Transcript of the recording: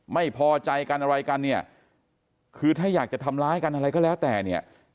ไม่พอใจกันอะไรกันเนี่ยคือถ้าอยากจะทำร้ายกันอะไรก็แล้วแต่เนี่ย